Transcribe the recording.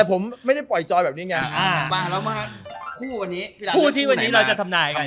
ผมว่าประมาณคู่สองมัน